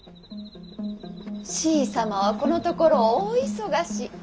しい様はこのところ大忙し。